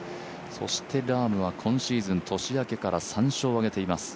そしてラームは今シーズン年明けから３勝を挙げています。